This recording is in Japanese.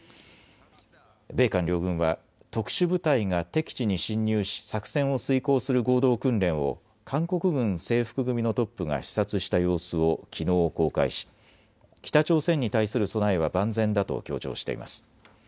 米韓両軍は特殊部隊が敵地に侵入し作戦を遂行する合同訓練を韓国軍制服組のトップが視察した様子をきのう公開し北朝鮮に対する備えは万全だと強調しています。